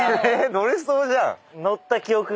⁉乗れそうじゃん。